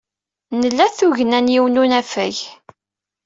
Nla tugna n yiwen n unafag.